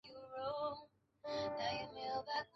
官右大臣。